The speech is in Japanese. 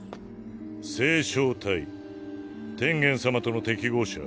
星漿体天元様との適合者